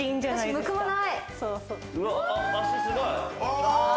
すごい！